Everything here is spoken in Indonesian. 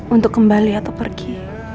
untuk kembali atau pergi